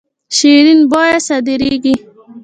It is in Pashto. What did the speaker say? شیرین بویه صادریږي.